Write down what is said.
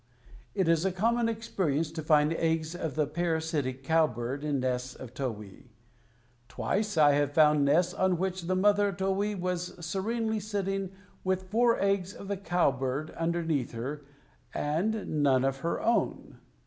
It is a common experience to find eggs of the parasitic cowbird in nests of towhee. Twice I have found nests on which the mother towhee was serenely sitting with four eggs of the cowbird beneath her and none of her own.